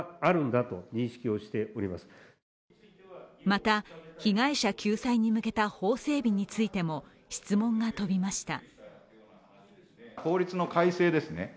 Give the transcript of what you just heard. また、被害者救済に向けた法整備についても質問が飛びました。